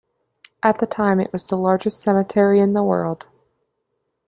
At the time it was the largest cemetery in the world.